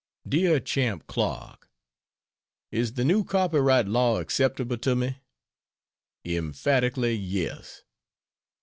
DEAR CHAMP CLARK Is the new copyright law acceptable to me? Emphatically, yes!